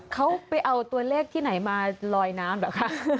เขาไปเอาตัวเลขที่ไหนมาลอยน้ำเหรอคะ